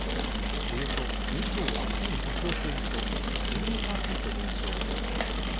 およそ２兆１１００億円と１２％減少。